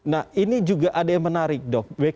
nah ini juga ada yang menarik dok